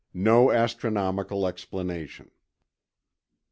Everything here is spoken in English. no astronomical explanation.